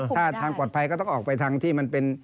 ถ้าทางปลอดภัยก็ต้องออกไปทางที่มันเป็น